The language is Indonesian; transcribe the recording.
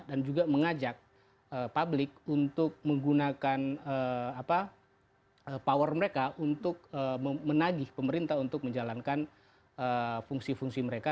dan juga mengajak publik untuk menggunakan power mereka untuk menagih pemerintah untuk menjalankan fungsi fungsi mereka